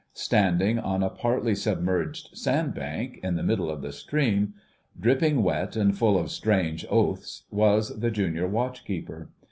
Standing on a partly submerged sand bank, in the middle of the stream, dripping wet and "full of strange oaths," was the Junior Watchkeeper.